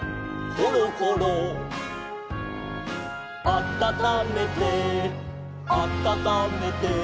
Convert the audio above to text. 「あたためてあたためて」